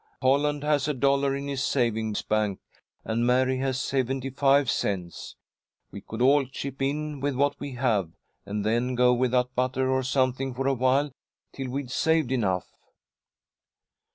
"Holland has a dollar in his savings bank, and Mary has seventy five cents. We could all chip in with what we have, and then go without butter or something for awhile till we'd saved enough."